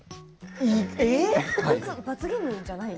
罰ゲームじゃないの？